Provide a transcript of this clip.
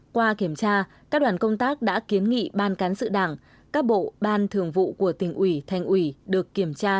qua kiểm tra các đoàn công tác đã kiến nghị ban cán sự đảng các bộ ban thường vụ của tỉnh ủy thành ủy được kiểm tra